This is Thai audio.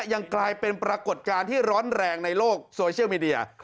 ยังกลายเป็นปรากฏการณ์ที่ร้อนแรงในโลกโซเชียลมีเดีย